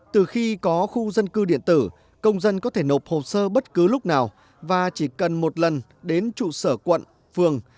từ khi có khu dân cư điện tử công dân có thể nộp hồ sơ bất cứ lúc nào và chỉ cần một lần đến trụ sở quận phường